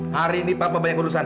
hari ini papa banyak urusan